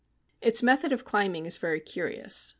Its method of climbing is very curious.